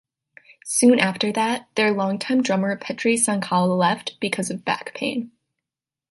Soon after that, their long-time drummer Petri Sankala left because of back pain.